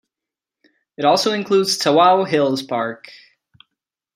It also includes Tawau Hills Park.